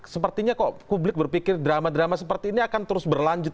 sepertinya kok publik berpikir drama drama seperti ini akan terus berlanjut